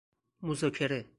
مذاکره